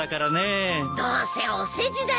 どうせお世辞だよ。